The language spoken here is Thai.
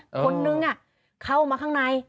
คนนึงเข้ามาข้างใน